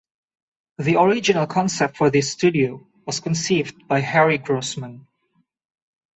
The original concept for the studio was conceived by Harry Grossman.